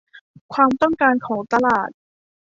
ความต้องการของตลาด